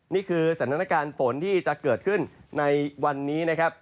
นี่คือสถานการณ์ฝนที่จะเกิดขึ้นในวันนี้นะครับ